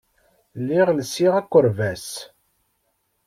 Lliɣ lsiɣ akerbas.